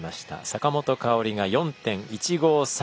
坂本花織が４．１５差。